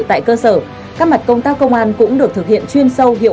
tại cơ sở các mặt công tác công an cũng được thực hiện chuyên sâu hiệu